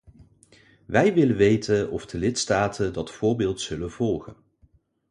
Wij willen weten of de lidstaten dat voorbeeld zullen volgen.